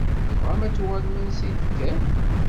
Tebɣam ad tuɣalem ansa i d-tekkam?